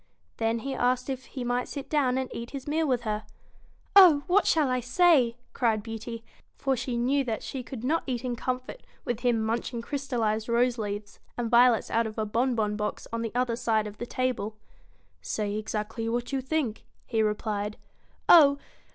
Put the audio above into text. Then he asked if he might sit down and eat his meal with her. ' Oh ! what shall I say ?' cried Beauty, for she knew that she could not eat in comfort, with him munch ing crystallised rose leaves and violets out of a bon bon box on the other side of the table. BEAUTY ' Say exactly what you think, 1 he replied. AND THE 'Oh!